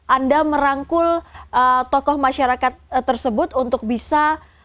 anda merangkul tokoh masyarakat tersebut untuk bisa